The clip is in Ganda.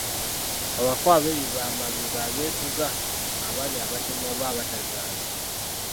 "Abafu ab'ebibamba b'ebo abeetuga, abaali abatemu oba abatazaala."